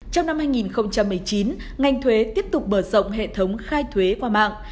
trong năm hai nghìn một mươi chín ngành thuế tiếp tục mở rộng hệ thống khai thuế qua mạng